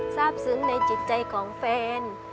ทราบซึ้งในจิตใจของแฟน